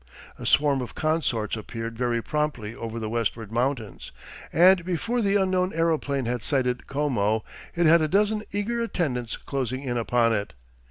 A swarm of consorts appeared very promptly over the westward mountains, and before the unknown aeroplane had sighted Como, it had a dozen eager attendants closing in upon it.